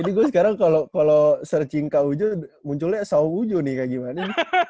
ini gue sekarang kalau searching kak ujo munculnya saung ujo nih kayak gimana